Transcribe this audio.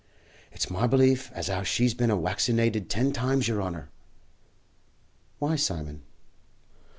"It's my belief as 'ow she's bin a waccinated ten times, yer honour." "Why, Simon?"